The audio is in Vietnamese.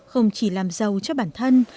không chỉ làm giàu cho bản thân